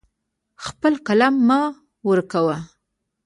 خپل قلم مه ورکوه.